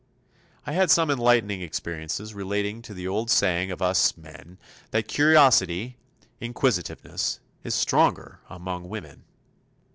I had some enlightening experiences relating to the old saying of us men that curiosity inquisitiveness is stronger among woman.